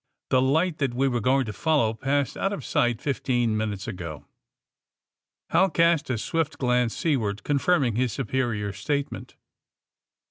^^The light that we were going to follow passed out of sight fifteen min utes ago.'* Hal cast a swift glance seaward, confirming his superior's statement.